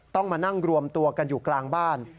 ต้องมานั่งรวมตัวกันอยู่กลางบ้าน